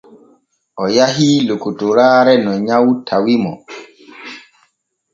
O yahii lokotoraare no nyaw tawi mo.